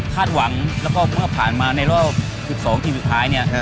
หวังแล้วก็เมื่อผ่านมาในรอบ๑๒ทีมสุดท้ายเนี่ย